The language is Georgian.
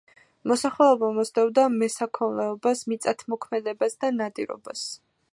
მოსახლეობა მისდევდა მესაქონლეობას, მიწათმოქმედებას და ნადირობას.